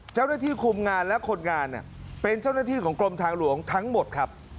เจ้าหน้าที่คุมงานและคนงานเป็นเจ้าหน้าที่ของกรมทางหลวงทั้งหมดครับ